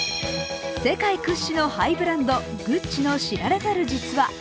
世界屈指のハイブランド、グッチの知られざる実話